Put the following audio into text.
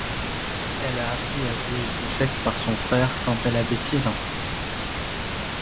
Elle apprit à jouer aux échecs par son frère quand elle avait six ans.